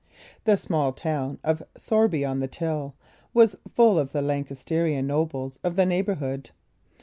The small town of Shoreby on the Till was full of the Lancastrian nobles of the neighbourhood.